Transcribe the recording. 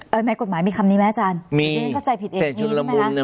เออไหมกฎหมายมีคำนี้ไหมอาจารย์มีไม่ได้เข้าใจผิดเองแต่ชุดละมุนเนี่ย